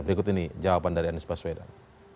berikut ini jawaban dari anis bafedan